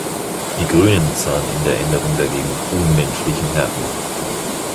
Die Grünen sahen in der Änderung dagegen „unmenschliche Härten“.